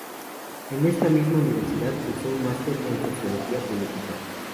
En esta misma universidad cursó un Máster en Sociología Política.